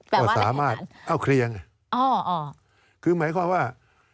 ก็สามารถเอาเคลียงคือหมายความว่า